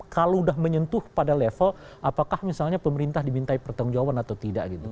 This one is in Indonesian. kalau sudah menyentuh pada level apakah misalnya pemerintah dimintai pertanggungjawan atau tidak